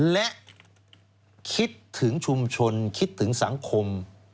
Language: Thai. และคิดถึงชุมชนคิดถึงสังคม